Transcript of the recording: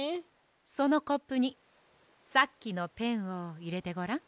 そのコップにさっきのペンをいれてごらん。